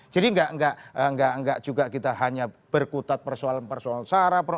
jadi enggak juga kita hanya berkutat persoalan persoalan secara pro